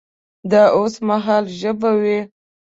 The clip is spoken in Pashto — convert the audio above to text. د اوس مهال ژبه وي